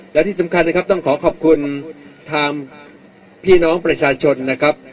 และที่สำคัญนะครับต้องขอขอบคุณทางพี่น้องประชาชนนะครับ